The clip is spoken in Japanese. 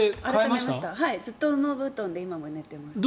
ずっと羽毛布団で今も寝てます。